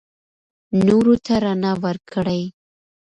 نورو ته رڼا ورکړئ.